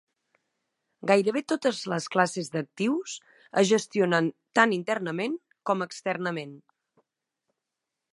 Gairebé totes les classes d'actius es gestionen tant internament com externament.